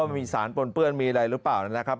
มีสารปนเปื้อนมีอะไรหรือเปล่านะครับ